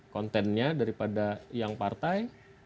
kontennya daripada yang partai